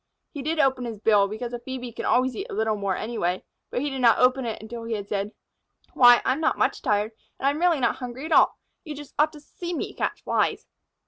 He did open his bill, because a Phœbe can always eat a little more anyway, but he did not open it until he had said: "Why, I'm not much tired, and I am not really hungry at all. You just ought to see me catch Flies!"